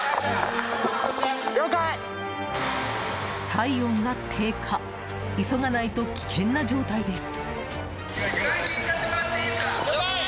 体温が低下、急がないと危険な状態です。